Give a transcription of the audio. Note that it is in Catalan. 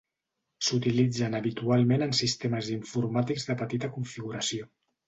S'utilitzen habitualment en sistemes informàtics de petita configuració.